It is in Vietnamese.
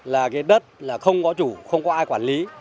là cái đất là không có chủ không có ai quản lý